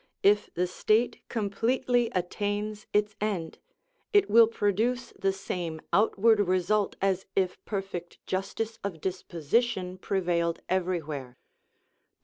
If the state completely attains its end, it will produce the same outward result as if perfect justice of disposition prevailed everywhere.